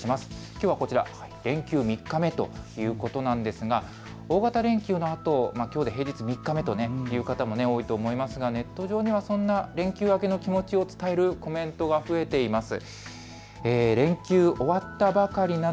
きょうはこちら連休明け３日目ということなんですが大型連休のあときょうで平日３日目という方も多いと思いますが、ネット上にはそんな連休明けの気持ちを伝えるコメントが増えています。